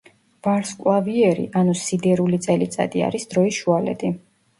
ვარსკვლავიერი, ანუ სიდერული წელიწადი, არის დროის შუალედი.